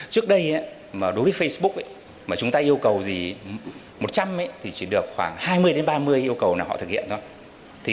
trước đây đối với facebook chúng ta yêu cầu một trăm linh thì chỉ được khoảng hai mươi ba mươi yêu cầu họ thực hiện thôi